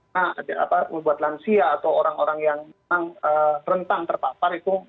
nah ada apa membuat lansia atau orang orang yang rentang terpapar itu